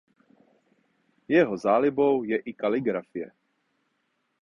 Jeho zálibou je i kaligrafie.